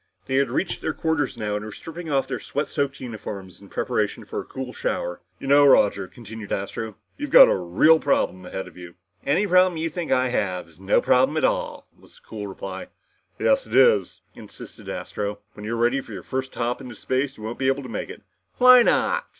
They had reached their quarters now and were stripping off their sweat soaked uniforms in preparation for a cool shower. "You know, Roger," continued Astro, "you've got a real problem ahead of you." "Any problem you think I have is no problem at all," was the cool reply. "Yes, it is," insisted Astro. "When you're ready for your first hop in space, you won't be able to make it!" "Why not?"